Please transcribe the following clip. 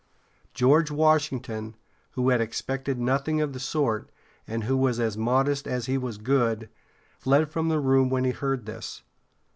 George Washington, who had expected nothing of the sort, and who was as modest as he was good, fled from the room when he heard this.